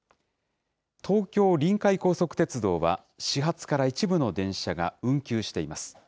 東京臨海高速鉄道は始発から一部の電車が運休しています。